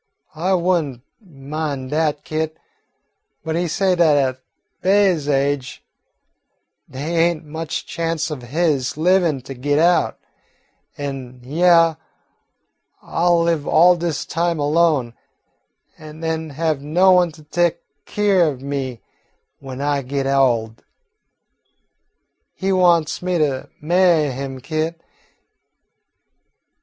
I would n't min' dat, Kit, but he say dat at Be'y's age dey ain't much chanst of his livin' to git out, an' hyeah I 'll live all dis time alone, an' den have no one to tek keer o' me w'en I git ol'. He wants me to ma'y him, Kit.